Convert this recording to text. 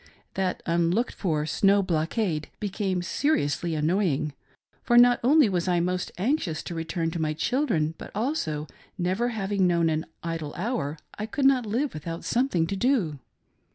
That unlooked for snow blockade became seriously annoy ing; for not only was I most anxious to return to my children, but also, never having known an idle hour, I could not live without something to do.